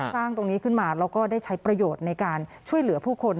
สร้างตรงนี้ขึ้นมาแล้วก็ได้ใช้ประโยชน์ในการช่วยเหลือผู้คน